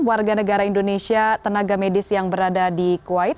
warga negara indonesia tenaga medis yang berada di kuwait